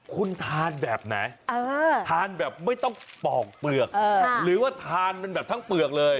คุณทานแบบไหนทานแบบไม่ต้องปอกเปลือกหรือว่าทานมันแบบทั้งเปลือกเลย